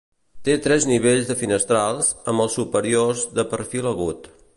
Té tres nivells de finestrals, amb els superiors de perfil agut.